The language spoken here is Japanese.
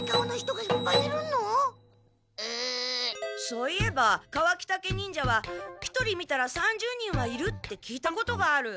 そういえばカワキタケ忍者は１人見たら３０人はいるって聞いたことがある。